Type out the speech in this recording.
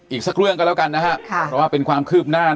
อีกสักเรื่องก็แล้วกันนะฮะเพราะว่าเป็นความคืบหน้า